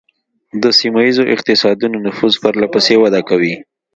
د سیمه ایزو اقتصادونو نفوذ پرله پسې وده کوي